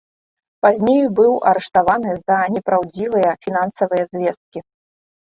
Пазней быў арыштаваны за непраўдзівыя фінансавыя звесткі.